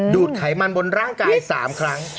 ดไขมันบนร่างกาย๓ครั้ง